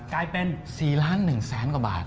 กลายเป็น๔ล้าน๑แสนกว่าบาท